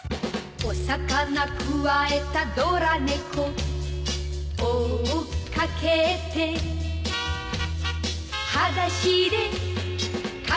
「お魚くわえたドラ猫」「追っかけて」「はだしでかけてく」